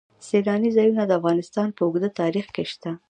سیلاني ځایونه د افغانستان په اوږده تاریخ کې شته.